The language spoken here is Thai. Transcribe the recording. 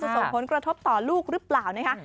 ส่งผลกระทบต่อลูกหรือเปล่านะคะ